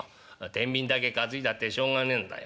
天秤だけ担いだってしょうがねんだよ。